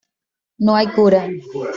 No hay cura.